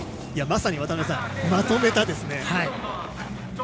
まさにまとめたですね。